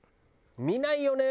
見ないよね